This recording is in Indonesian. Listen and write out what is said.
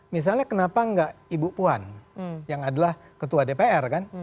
misalnya kenapa enggak ibu puan yang adalah ketua dpr kan